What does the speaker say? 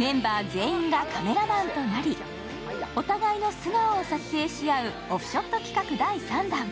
メンバー全員がカメラマンとなりお互いの素顔を撮影し合うオフショット企画第３弾。